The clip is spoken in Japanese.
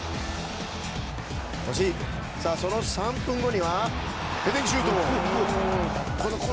その３分後にはヘディングシュート。